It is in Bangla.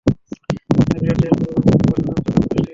কিন্তু বিরাট জয়ের পরও বার্সা জানত, কাপে কাজটি সহজ হবে না।